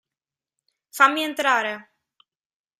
Fammi entrare!